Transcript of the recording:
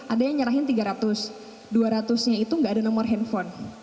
ada yang nyerahin tiga ratus dua ratus nya itu nggak ada nomor handphone